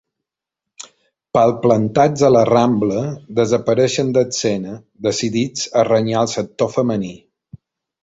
Palplantats a la Rambla, desapareixen d'escena, decidits a renyar el sector femení.